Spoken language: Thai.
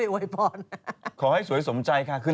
รีแพร์เขาไม่ได้ใช้กับหน้า